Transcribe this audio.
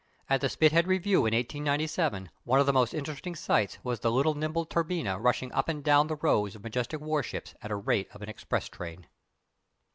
At the Spithead Review in 1897 one of the most interesting sights was the little nimble Turbinia rushing up and down the rows of majestic warships at the rate of an express train.